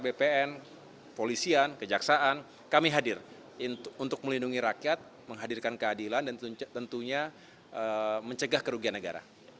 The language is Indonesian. bpn polisian kejaksaan kami hadir untuk melindungi rakyat menghadirkan keadilan dan tentunya mencegah kerugian negara